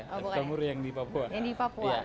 kanguru yang di papua